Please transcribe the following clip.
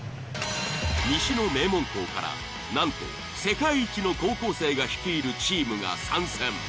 西の名門校からなんと世界一の高校生が率いるチームが参戦。